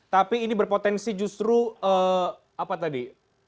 tapi ini berpotensi justru apa tadi